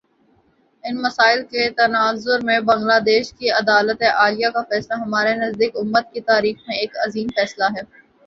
ان مسائل کے تناظر میں بنگلہ دیش کی عدالتِ عالیہ کا فیصلہ ہمارے نزدیک، امت کی تاریخ میں ایک عظیم فیصلہ ہے